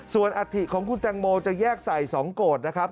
ส่วนอัฐิของคุณแตงโมจะแยกใส่๒โกรธนะครับ